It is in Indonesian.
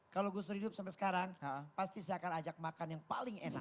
kalau gus dur hidup sampai sekarang pasti saya akan ajak makan yang paling enak